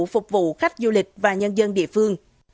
phục vụ khách du lịch và nhân dân địa phương